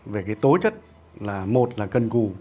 về cái tối chất là một là cần cù